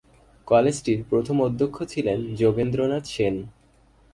কলেজটির প্রথম অধ্যক্ষ ছিলেন যোগেন্দ্রনাথ সেন।